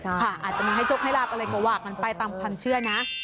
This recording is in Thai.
อาจจะมาให้โชคให้ลาบอะไรก็ว่ากันไปตามความเชื่อนะ